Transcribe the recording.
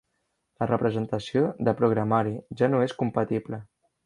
La representació de programari ja no és compatible.